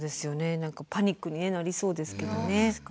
何かパニックになりそうですけどね。